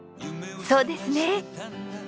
そうですね。